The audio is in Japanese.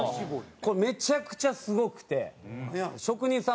これめちゃくちゃすごくて。